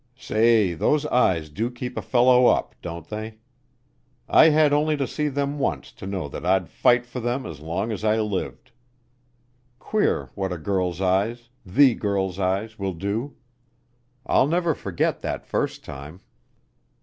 "Say, those eyes do keep a fellow up, don't they? I had only to see them once to know that I'd fight for them as long as I lived. Queer what a girl's eyes the girl's eyes will do. I'll never forget that first time.